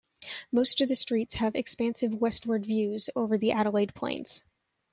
Most of the streets have expansive westward views over the Adelaide plains.